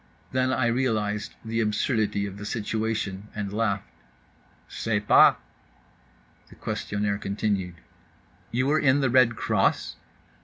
Then I realized the absurdity of the situation, and laughed.—"Sais pas." The questionnaire continued: "You were in the Red Cross?"